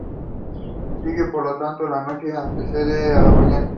Sigue por lo tanto a la noche y antecede a la mañana.